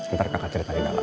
ntar kakak ceritain dalam